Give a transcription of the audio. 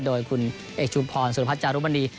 โดยคุณเอกชุมพรสุรพัชจารุมณี